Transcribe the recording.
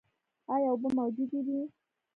ایا اوبه موجودې وې؟